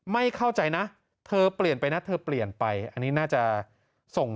ไม่เข้าใจนะเธอเปลี่ยนไปนะเธอเปลี่ยนไปอันนี้น่าจะส่ง